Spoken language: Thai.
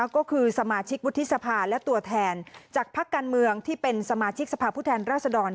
ก็คือสมาชิกวุฒิสภาและตัวแทนจากภักดิ์การเมืองที่เป็นสมาชิกสภาพผู้แทนราษดร